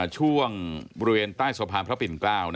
ช่วงบริเวณใต้สะพานพระปิ่นเกล้า